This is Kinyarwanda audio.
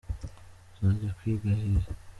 uzajya kwiga hehe?